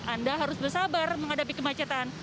anda harus bersabar menghadapi kemacetan